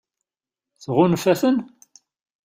Tɣunfa-ten?